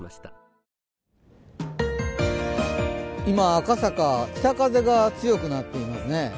今、赤坂、北風が強くなっていますね。